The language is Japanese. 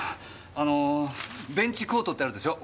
あのベンチコートってあるでしょ？